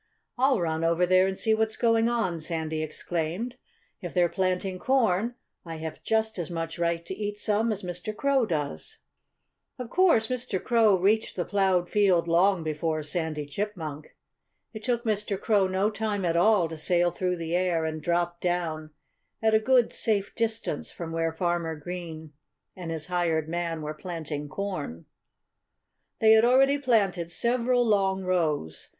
"I'll run over there and see what's going on!" Sandy exclaimed. "If they're planting corn I have just as much right to eat some as Mr. Crow has." Of course, Mr. Crow reached the ploughed field long before Sandy Chipmunk. It took Mr. Crow no time at all to sail through the air and drop down at a good, safe distance from where Farmer Green and his hired man were planting corn. They had already planted several long rows.